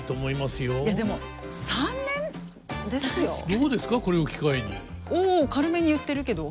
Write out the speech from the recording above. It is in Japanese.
どうですかこれを機会に。